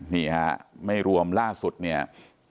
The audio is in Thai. นี่ฮะไม่รวมล่าสุดเนี่ย